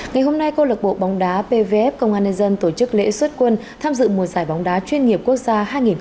ngày hôm nay cô lực bộ bóng đá pvf công an nên dân tổ chức lễ xuất quân tham dự mùa giải bóng đá chuyên nghiệp quốc gia hai nghìn hai mươi ba hai nghìn hai mươi bốn